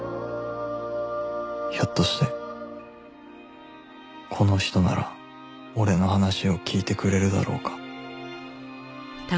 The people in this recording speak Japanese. ひょっとしてこの人なら俺の話を聞いてくれるだろうか